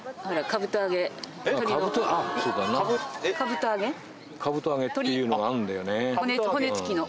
かぶと揚げっていうのがあるんだよね。